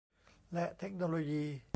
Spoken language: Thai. และเทคโนโลยี